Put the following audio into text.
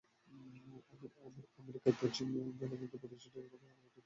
আমেরিকার পশ্চিম উপকূলে বেদান্তকে সুপ্রতিষ্ঠিত করার কৃতিত্ব অনেকখানি তাঁহারই।